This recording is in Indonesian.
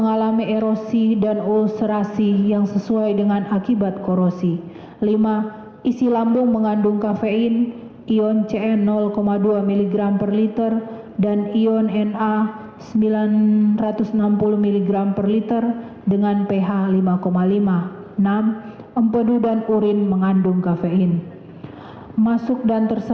hal ini berdasar dan bersesuaian dengan keterangan ahli toksikologi forensik dr rednath imade agus gilgail wirasuta